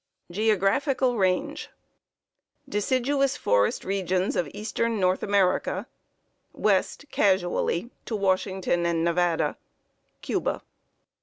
] Geographical Range: Deciduous forest regions of eastern North America; west, casually, to Washington and Nevada; Cuba.